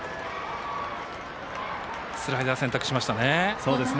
スライダー選択しましたね。